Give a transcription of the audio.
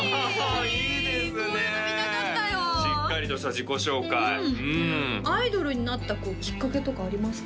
いいですねこういうの見たかったよしっかりとした自己紹介うんうんアイドルになったきっかけとかありますか？